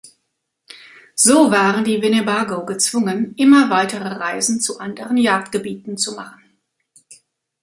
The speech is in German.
So waren die Winnebago gezwungen, immer weitere Reisen zu anderen Jagdgebieten zu machen.